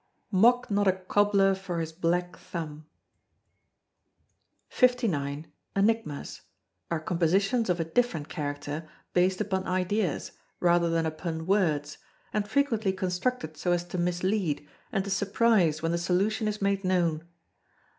[MOCK NOT A COBBLER FOR HIS BLACK THUMB.] 59. Enigmas are compositions of a different character, based upon ideas, rather than upon words, and frequently constructed so as to mislead, and to surprise when the solution is made known.